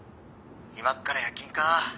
「今から夜勤か。